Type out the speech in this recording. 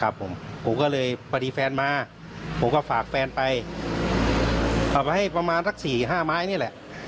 ผมผมก็เลยพอดีแฟนมาผมก็ฝากแฟนไปเอาไปให้ประมาณสักสี่ห้าไม้นี่แหละ